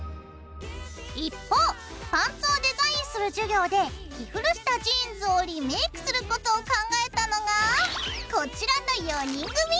一方パンツをデザインする授業で着古したジーンズをリメイクすることを考えたのがこちらの４人組！